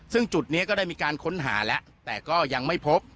ซึ่งจุดนี้ก็ได้มีการค้นหาแล้วแต่ก็ยังไม่พบ